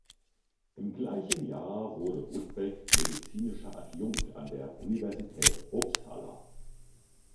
Im gleichen Jahr wurde Rudbeck medizinischer Adjunkt an der Universität Uppsala.